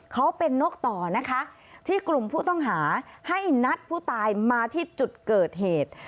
เขาเป็นนกต่อนะคะที่กลุ่มผู้ต้องหาให้นัดผู้ตายมาที่จุดเกิดเหตุ